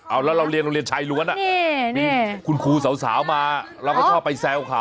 เอาแล้วเราเรียนโรงเรียนชายล้วนคุณครูสาวมาเราก็ชอบไปแซวเขา